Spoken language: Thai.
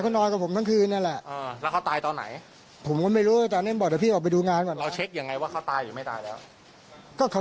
ว่าเขาร้มมากกว่าผมเดินขาก็ล้ม